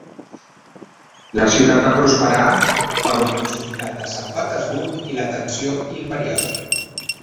La ciutat va prosperar per la proximitat de Sant Petersburg i l'atenció imperial.